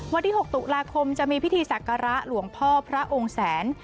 วันที่๖ตุลาคมจะมีพิธีศักระหลวงพ่อพระองค์แสน